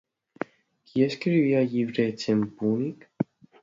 Qui escrivia llibrets en púnic?